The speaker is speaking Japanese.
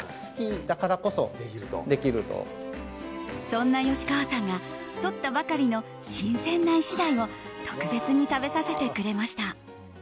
そんな吉川さんがとったばかりの新鮮なイシダイを特別に食べさせてくれました。